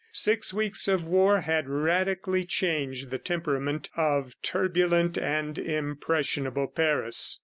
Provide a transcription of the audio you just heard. Six weeks of war had radically changed the temperament of turbulent and impressionable Paris.